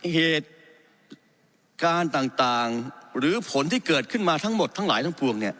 เหตุการณ์ต่างหรือผลที่เกิดขึ้นมาทั้งหมดทั้งหลายทั้งปวง